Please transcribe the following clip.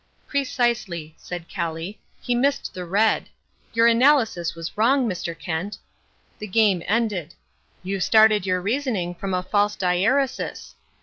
"Precisely," said Kelly, "he missed the red. Your analysis was wrong, Mr. Kent. The game ended. You started your reasoning from a false diæresis.